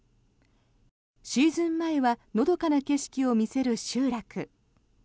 シーズン前はのどかな景色を見せる集落。